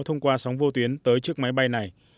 thông qua sóng vô tuyến tới chiếc máy bay này